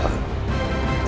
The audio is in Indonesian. peki guys arah sini